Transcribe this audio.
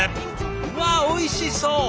うわおいしそう！